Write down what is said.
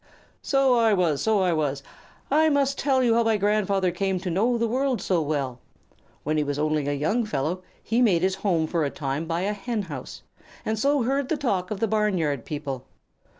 "So I was! So I was! I must tell you how my grandfather came to know the world so well. When he was only a young fellow, he made his home for a time by a Hen house, and so heard the talk of the barn yard people.